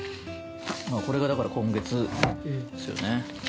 これが、だから今月ですよね。